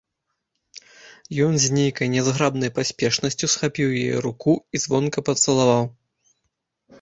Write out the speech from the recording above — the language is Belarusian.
Ён з нейкай нязграбнай паспешнасцю схапіў яе руку і звонка пацалаваў.